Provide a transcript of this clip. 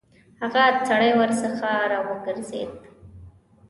هغه سړی ورڅخه راوګرځېد.